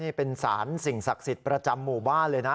นี่เป็นสารสิ่งศักดิ์สิทธิ์ประจำหมู่บ้านเลยนะ